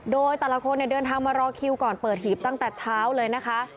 โดยแต่ละคนเดินทางมารอคิวก่อนเปิดหีบตั้งแต่เช้าเลยนะคะ